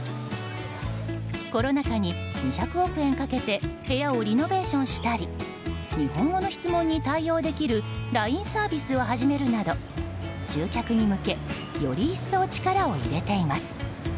コロナ禍に、２００億円かけて部屋をリノベーションしたり日本語の質問に対応できるＬＩＮＥサービスを始めるなど集客に向けより一層力を入れています。